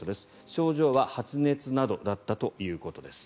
症状は発熱などだったということです。